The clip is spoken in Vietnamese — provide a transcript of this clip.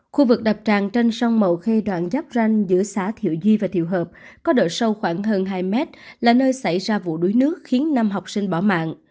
khu vực đập tràn trên sông màu khê đoạn giáp ranh giữa xã thiệu di và thiệu hợp có độ sâu khoảng hơn hai mét là nơi xảy ra vụ đuối nước khiến năm học sinh bỏ mạng